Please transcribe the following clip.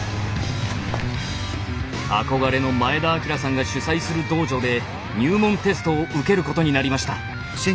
憧れの前田日明さんが主催する道場で入門テストを受けることになりました。